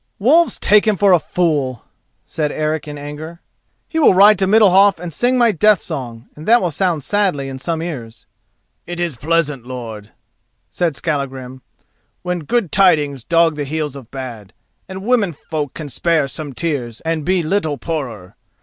"Wolves take him for a fool!" said Eric in anger. "He will ride to Middalhof and sing my death song, and that will sound sadly in some ears." "It is pleasant, lord," said Skallagrim, "when good tidings dog the heels of bad, and womenfolk can spare some tears and be little poorer.